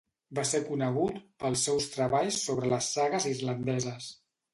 Va ser conegut pels seus treballs sobre les sagues islandeses.